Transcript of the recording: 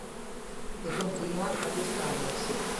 E continua ad espandersi.